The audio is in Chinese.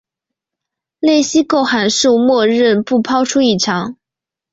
类析构函数默认不抛出异常。